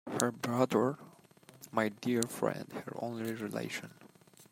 Her brother, my dear friend — her only relation.